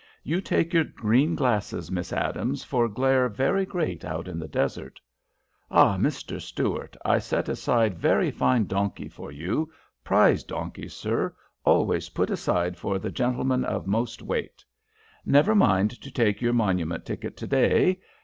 "You take your green glasses, Miss Adams, for glare very great out in the desert. Ah, Mr. Stuart, I set aside very fine donkey for you, prize donkey, sir, always put aside for the gentleman of most weight. Never mind to take your monument ticket to day.